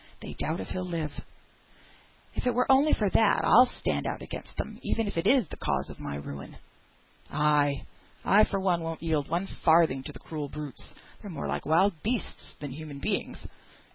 They doubt if he'll live." "If it were only for that, I'll stand out against them, even if it were the cause of my ruin." "Ay, I for one won't yield one farthing to the cruel brutes; they're more like wild beasts than human beings."